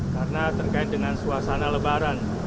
karena terkait dengan suasana lebaran